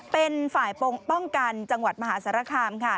เป็นฝ่ายป้องกันจังหวัดมหาสารคามค่ะ